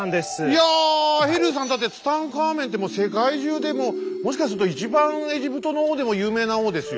いやヘルーさんだってツタンカーメンって世界中でもうもしかすると一番エジプトの王でも有名な王ですよ。